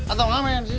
atau ngamen sih